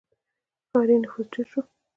• ښاري نفوس ډېر شو.